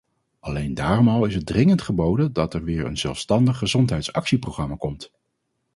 Alleen daarom al is het dringend geboden dat er weer een zelfstandig gezondheidsactieprogramma komt.